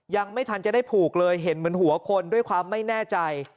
ยังไม่ทันจะได้ผูกเลยเห็นเหมือนหัวคนด้วยความไม่แน่ใจ